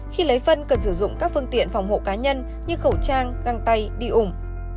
khi lấy phân cần sử dụng các phương tiện phòng hộ cá nhân như khẩu trang găng tay đi ủng